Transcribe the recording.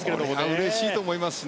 うれしいと思いますよ。